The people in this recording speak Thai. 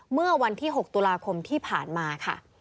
เมื่อวันที่๖ตุลาคมที่ผ่านมาค่ะ